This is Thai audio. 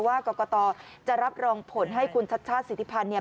ว่ากรกตจะรับรองผลให้คุณชัชชาติสิทธิพันธ์เนี่ย